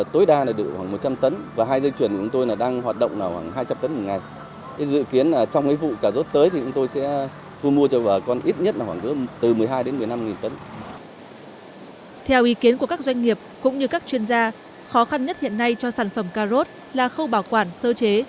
theo ý kiến của các doanh nghiệp cũng như các chuyên gia khó khăn nhất hiện nay cho sản phẩm cà rốt là khâu bảo quản sơ chế